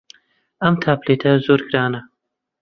ئەم تابلێتە زۆر گرانە.